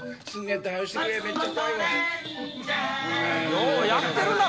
ようやってるな！